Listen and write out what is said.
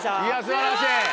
素晴らしい。